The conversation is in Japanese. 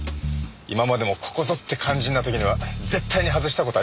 今までもここぞって肝心な時には絶対に外した事ありませんから。